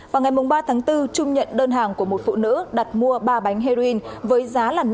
vào ngày ba tháng bốn trung nhận đơn hàng của một phụ nữ đặt mua ba bánh heroin với giá